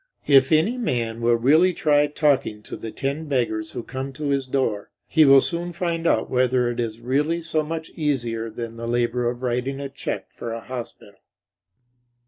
If any man will really try talking to the ten beggars who come to his door he will soon find out whether it is really so much easier than the labor of writing a check for a hospital.